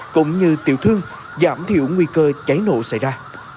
cũng như tiểu thương giảm thiểu nguy cơ cháy nổ xảy ra